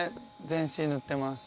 全身塗ってます。